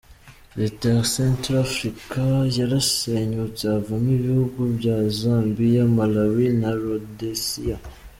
Leta ya Centre-Africa yarasenyutse havamo ibihugu bya Zambiya, Malawi na Rhodesiya.